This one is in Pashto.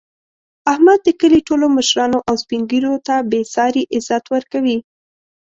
احمد د کلي ټولو مشرانو او سپین ږېرو ته بې ساري عزت ورکوي.